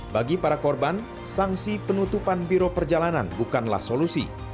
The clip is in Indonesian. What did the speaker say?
bagi para korban sanksi penutupan biro perjalanan bukanlah solusi